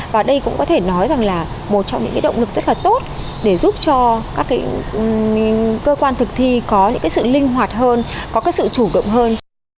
và đây cũng có thể nói rằng là một trong những động lực rất là tốt để giúp cho các cơ quan thực thi có những cái sự linh hoạt hơn có cái sự chủ động hơn